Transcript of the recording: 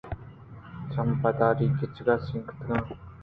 چم پرداری کچک ءَ سگّیتگ